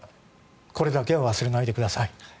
これだけは忘れないでください。